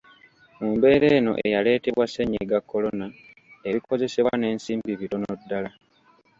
Mu mbeera eno eyaleetebwa ssennyiga Kolona, ebikozesebwa n'ensimbi bitono ddala.